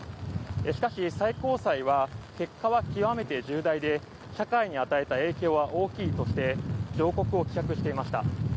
しかし最高裁は結果は極めて重大で社会に与えた影響は大きいとして上告を棄却していました。